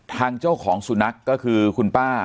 ทางเจ้าของสุนัขก็คือคุณป้า